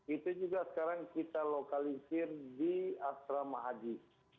itu juga sekarang kita lokalisir di astra mahadi